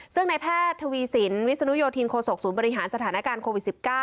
ซึ่งในแพทย์ทวีสินวิศนุโยธินโคศกศูนย์บริหารสถานการณ์โควิด๑๙